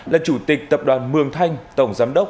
là chủ tịch tập đoàn mường thanh tổng giám đốc